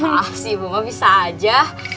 maaf sih ibu ma bisa aja